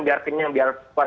biar kenyang biar kuat